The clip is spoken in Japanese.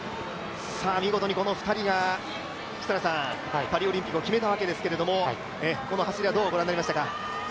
見事にこの２人が、パリオリンピックを決めたわけですけどこの走りはどうご覧になりましたか？